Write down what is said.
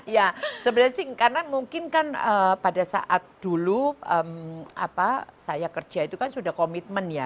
ya sebenarnya sih karena mungkin kan pada saat dulu saya kerja itu kan sudah komitmen ya